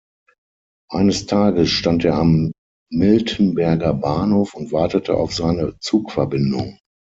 Eines Tages stand er am Miltenberger Bahnhof und wartete auf seine Zugverbindung.